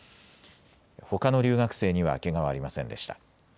ほかの留学生にはけがはありませんでした。